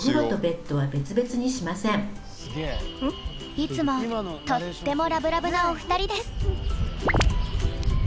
いつもとってもラブラブなお二人です。